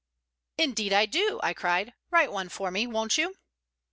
"Indeed I do!" I cried. "Write one for me, won't you?"